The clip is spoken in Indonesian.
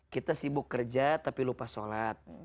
kita sibuk kerja tapi lupa sholat